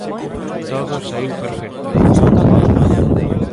Todo saíu perfecto.